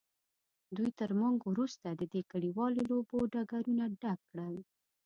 دوی تر موږ وروسته د دې کلیوالو لوبو ډګرونه ډک کړل.